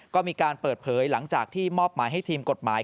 ก็มีการเปิดเผยหลังจากที่มอบหมายให้ทีมกฎหมาย